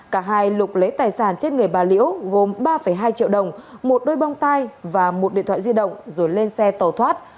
cả hai lục lấy tài sản trên người bà liễu gồm ba hai triệu đồng một đôi bông tai và một điện thoại di động rồi lên xe tàu thoát